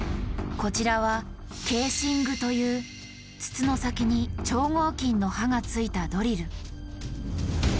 こちらは「ケーシング」という筒の先に超合金の刃がついたドリル。